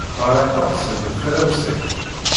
Ɣriɣ taqsiṭ d taramsayt.